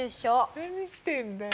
何してんだよ。